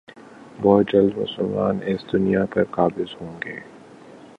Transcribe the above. بہت جلد مسلمان اس دنیا پر قابض ہوں گے